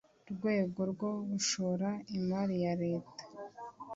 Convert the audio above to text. rwego rwo gushora imari ya Leta